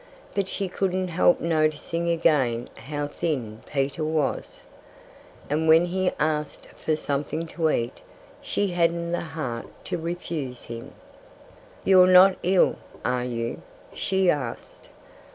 But she couldn't help noticing again how thin Peter was. And when he asked again for something to eat she hadn't the heart to refuse him. "You're not ill, are you?" she asked.